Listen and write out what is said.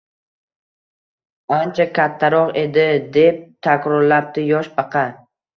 — Ancha kattaroq edi, — deb takrorlabdi yosh Baqa